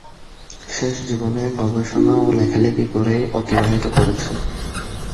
শেষ জীবনে গবেষণা ও লেখালেখি করেই অতিবাহিত করেছেন।